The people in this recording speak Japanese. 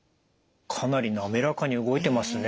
かなり滑らかに動いてますね。